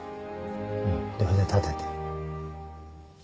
うん。で筆立てて